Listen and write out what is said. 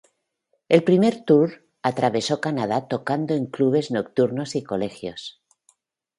El primer tour atravesó Canadá tocando en clubes nocturnos y colegios.